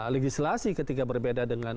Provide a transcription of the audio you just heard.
legislasi ketika berbeda dengan